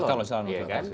bakal calon wakil presiden